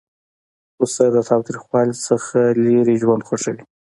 پسه د تاوتریخوالي نه لیرې ژوند خوښوي.